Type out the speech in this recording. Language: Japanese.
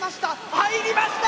入りました！